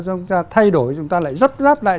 chúng ta thay đổi chúng ta lại dấp dắp lại